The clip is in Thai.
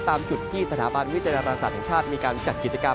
ตามจุดที่สถาบันวิจารณศาสตร์แห่งชาติมีการจัดกิจกรรม